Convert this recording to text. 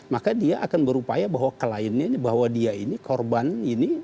maka dia akan berupaya bahwa kliennya ini bahwa dia ini korban ini